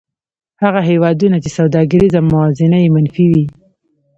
هغه هېوادونه چې سوداګریزه موازنه یې منفي وي